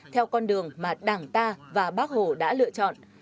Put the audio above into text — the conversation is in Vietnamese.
theo con đường mà đảng ta và bác hồ đã lựa chọn